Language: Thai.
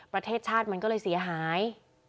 ประเทศชาติมันก็เลยเสียหาย